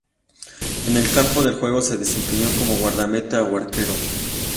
En el campo de juego se desempeñó como guardameta o arquero.